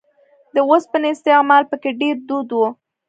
د اوسپنې استعمال په کې ډېر دود و